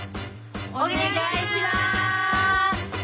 お願いします！